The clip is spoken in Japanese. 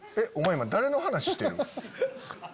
今誰の話してる？